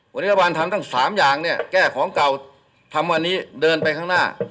วันนี้รัฐบาลทำตั้ง๓อย่างเนี่ยแก้ของเก่าทำวันนี้เดินไปข้างหน้า